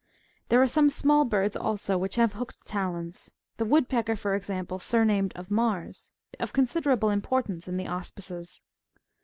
There are some small birds also, which have hooked talons ; the wood pecker, for example, surnamed '' of Mars," of con siderable importance in the auspices.